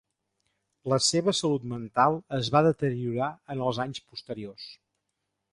La seva salut mental es va deteriorar en els anys posteriors.